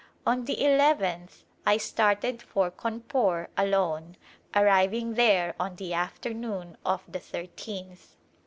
On the eleventh I started for Cawnpore alone, arriv ing there on the afternoon of the thirteenth.